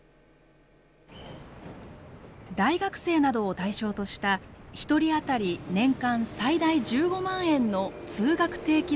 大学生などを対象とした１人あたり年間最大１５万円の通学定期代の助成。